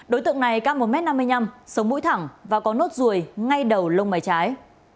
đối tượng này cao một m năm mươi năm sống mũi thẳng và có nốt ruồi ngay đầu lông mái trái